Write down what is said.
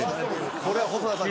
これは細田さん